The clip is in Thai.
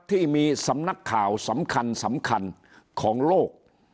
ที่มีสำนักข่าวสำคัญสำคัญของโลก